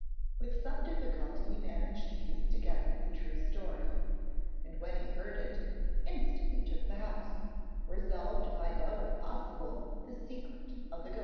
With some difficulty he managed to piece together the true story, and when he heard it, instantly took the house, resolved to find out if possible the secret of the ghost.